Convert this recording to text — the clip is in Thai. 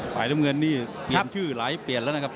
สายน้ำเงินนี่เปลี่ยนชื่อหลายที่เปลี่ยนแล้วนะครับ